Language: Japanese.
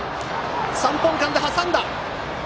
三本間で挟んだ！